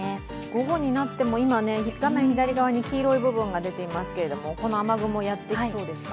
午後になっても画面左側に黄色い部分が出ていますけどもこの雨雲、やってきそうですか？